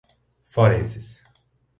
forenses